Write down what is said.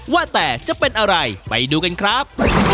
ว่าแต่จะเป็นอะไรไปดูกันครับ